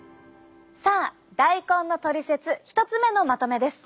さあ大根のトリセツ１つ目のまとめです。